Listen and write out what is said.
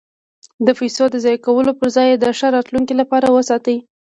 د پیسو د ضایع کولو پرځای یې د ښه راتلونکي لپاره وساتئ.